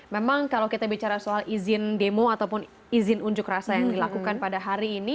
memang kalau kita bicara soal izin demo ataupun izin unjuk rasa yang dilakukan pada hari ini